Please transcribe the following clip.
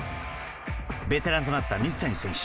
ベテランとなった水谷選手。